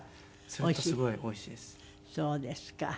そうですか。